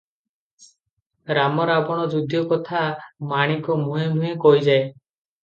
ରାମ ରାବଣ ଯୁଦ୍ଧ କଥା ମାଣିକ ମୁହେଁ ମୁହେଁ କହିଯାଏ ।